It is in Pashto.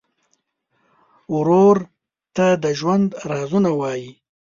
ورور ته د ژوند رازونه وایې.